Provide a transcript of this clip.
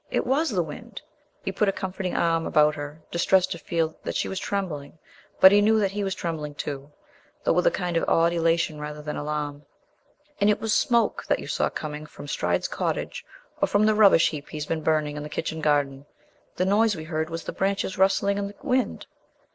It was the wind!" He put a comforting arm about her, distressed to feel that she was trembling. But he knew that he was trembling too, though with a kind of odd elation rather than alarm. "And it was smoke that you saw coming from Stride's cottage, or from the rubbish heaps he's been burning in the kitchen garden. The noise we heard was the branches rustling in the wind.